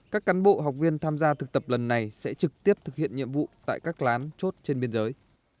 các cán bộ học viên tham gia thực tập lần này sẽ trực tiếp thực hiện nhiệm vụ tại các lán chốt trên biên giới